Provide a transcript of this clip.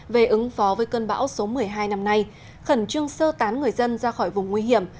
về ứng phó với cơn bão số một mươi hai năm nay khẩn trương sơ tán người dân ra khỏi vùng nguy hiểm